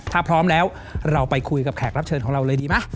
ถ้าพร้อมแล้วเราไปคุยกับแขกรับเชิญของเราเลยดีไหม